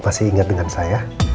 bapak masih ingat dengan saya